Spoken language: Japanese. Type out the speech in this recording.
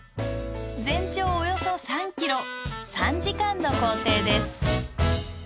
全長およそ３ｋｍ３時間の行程です。